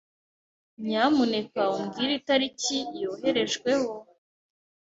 Nyamuneka umbwire itariki yoherejweho?